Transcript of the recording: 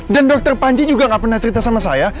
dan dokter panji juga gak pernah cerita sama saya